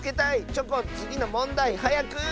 チョコンつぎのもんだいはやく！